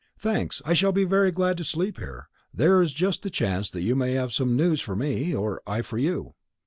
"Thanks. I shall be very glad to sleep here. There is just the chance that you may have some news for me, or I for you."